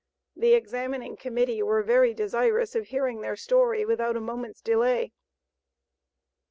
The examining Committee were very desirous of hearing their story without a moment's delay.